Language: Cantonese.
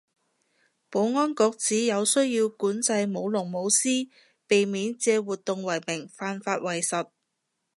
保安局指有需要管制舞龍舞獅，避免借活動為名犯法為實